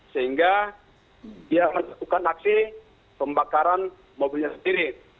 sehingga dia melakukan aksi pembakaran mobilnya sendiri